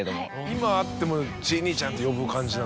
今会っても「チイ兄ちゃん」って呼ぶ感じ？